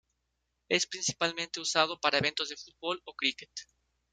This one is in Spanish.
Es principalmente usado para eventos de fútbol o cricket.